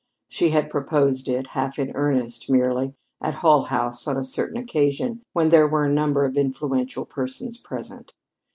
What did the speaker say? She had proposed it, half in earnest, merely, at Hull House on a certain occasion when there were a number of influential persons present.